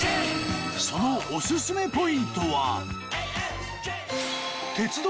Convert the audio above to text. そのオススメポイントは。